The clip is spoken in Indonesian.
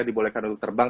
dibolehkan untuk terbang